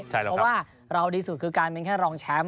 เพราะว่าเราดีสุดคือการเป็นแค่รองแชมป์